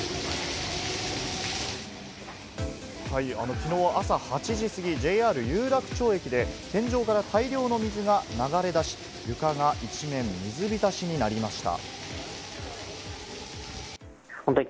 きのう朝８時過ぎ、ＪＲ有楽町駅で天井から大量の水が流れ出し、床が一面、水浸しになりました。